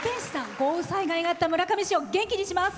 豪雨災害があった村上市を元気にします。